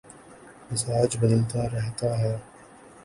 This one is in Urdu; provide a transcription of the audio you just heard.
مزاج بدلتا رہتا ہے